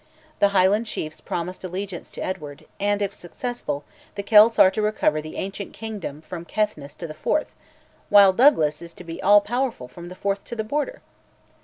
The Highland chiefs promise allegiance to Edward, and, if successful, the Celts are to recover the ancient kingdom from Caithness to the Forth, while Douglas is to be all powerful from the Forth to the Border!